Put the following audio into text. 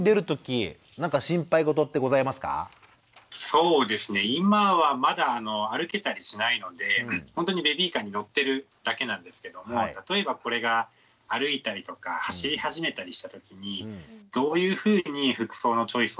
そうですね今はまだ歩けたりしないのでほんとにベビーカーに乗ってるだけなんですけども例えばこれが歩いたりとか走り始めたりした時にどういうふうに服装のチョイスをしていいのかなっていうのが。